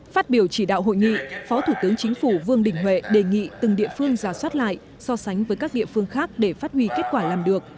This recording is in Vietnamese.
phát biểu chỉ đạo hội nghị phó thủ tướng chính phủ vương đình huệ đề nghị từng địa phương giả soát lại so sánh với các địa phương khác để phát huy kết quả làm được